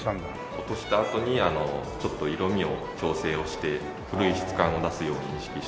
落としたあとにちょっと色味を調整をして古い質感を出すように意識して。